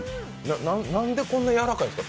なんでこんな柔らかいんですか？